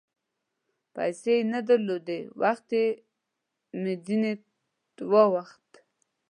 پیسې مې نه درلودې ، وخت مې ځیني وغوښت